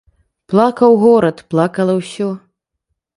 Плакаў горад, плакала ўсё.